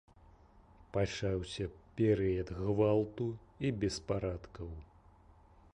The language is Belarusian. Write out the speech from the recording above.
Пачаўся перыяд гвалту і беспарадкаў.